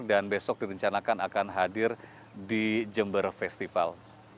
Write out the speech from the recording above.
dan besok direncanakan akan hadir di jember festival